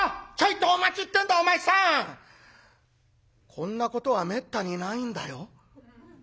こんなことはめったにないんだよ」。